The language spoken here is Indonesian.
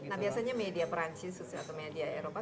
nah biasanya media perancis atau media eropa